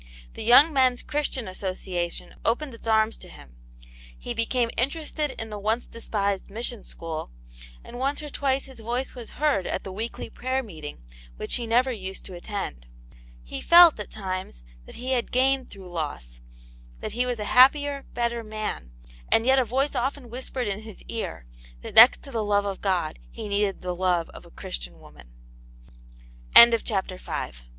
The Young Men's Christian Association opened its arms to him ; he became interested in the once despised Mission School, and once or twice his voice was heard at the weekly prayer meeting, which he never used to attend. He felt, at times, that he had gained through loss : that he was a happier, better man ; and yet a voice often whispered in his ear, that next to the love of God he needed the love of a Christian woman, CHAPTER VI.